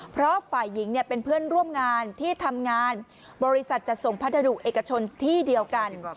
เพราะฝ่ายหญิงเป็นเพื่อนร่วมงานที่ทำงานบริษัทจัดส่งพัสดุเอกชนที่เดียวกัน